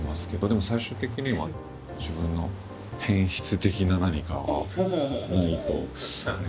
でも最終的には自分の偏執的な何かはないとあれかなと。